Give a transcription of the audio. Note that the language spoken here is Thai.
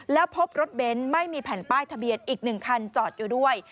แล้วพบรถเบนท์ไม่มีแผ่นป้ายทะเบียนอีก๑คันจอดอยู่ด้วย